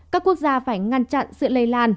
các quốc gia phải ngăn chặn sự lây lan